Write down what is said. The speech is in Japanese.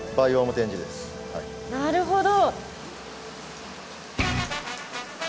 なるほど。